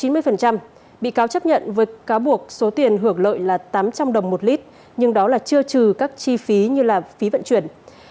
bị cáo chấp nhận với cáo buộc số tiền hưởng lợi là tám trăm linh đồng một lít nhưng đó là chưa trừ các chi phí như phí vận chuyển